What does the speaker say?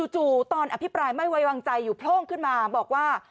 ตอนอภิปรายไม่ไว้วางใจอยู่โพร่งขึ้นมาบอกว่า